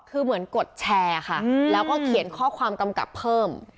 คือเหมือนกดแชร์ค่ะแล้วก็เขียนข้อความกำกับเพิ่ม